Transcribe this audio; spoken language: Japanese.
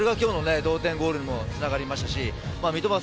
それが今日の同点ゴールにもつながりましたし三笘